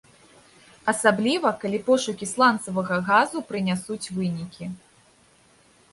Асабліва, калі пошукі сланцавага газу прынясуць вынікі.